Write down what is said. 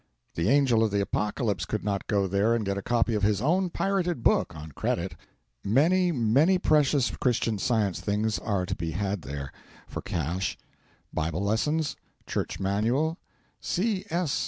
The Angel of the Apocalypse could not go there and get a copy of his own pirated book on credit. Many, many precious Christian Science things are to be had there for cash: Bible Lessons; Church Manual; C.S.